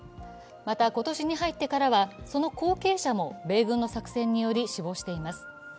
また今年に入ってからはその後継者も米軍の作戦により死亡しています。